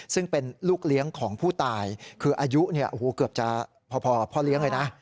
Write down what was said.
ซึ่งเป็นลูกเลี้ยงของผู้ตายคืออายุเกือบจะพอพ่อเลี้ยงเลยนะ